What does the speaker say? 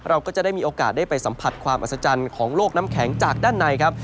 เราก็จะได้มีโอกาสได้ไปสัมผัสความอัศจรรย์ของโลกน้ำแข็งจากด้านในครับ